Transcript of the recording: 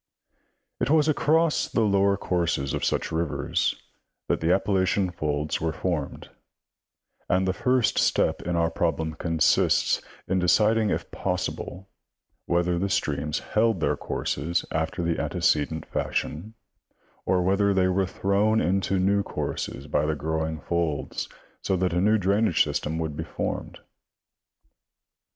It was across the lower courses of such rivers that the Appalachian folds were formed, and the first step in our problem consists in deciding if possible whether the streams held their courses after the antecedent fash ion, or whether they were thrown into new courses by the grow ing folds, so that a new drainage systen would be formed.